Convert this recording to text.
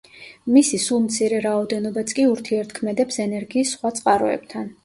მისი სულ მცირე რაოდენობაც კი ურთიერთქმედებს ენერგიის სხვა წყაროებთან.